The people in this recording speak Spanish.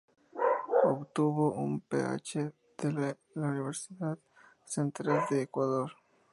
Obtuvo un Ph.D de la Universidad Central de Ecuador.